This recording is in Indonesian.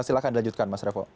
silahkan dilanjutkan mas revo